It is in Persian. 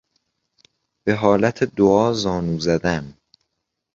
به حالت دعا زانو زدن